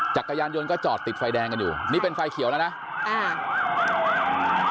จักรยานยนต์ก็จอดติดไฟแดงกันอยู่นี่เป็นไฟเขียวแล้วนะอ่า